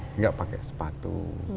tidak pakai sepatu